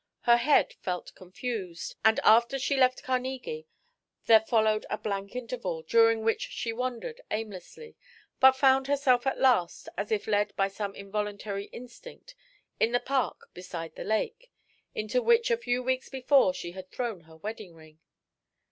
Her head felt confused, and after she left Carnegie there followed a blank interval, during which she wandered aimlessly, but found herself at last, as if led by some involuntary instinct, in the Park beside the lake, into which a few weeks before she had thrown her wedding ring.